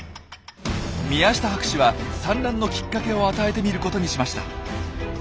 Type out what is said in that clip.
宮下博士は産卵のきっかけを与えてみることにしました。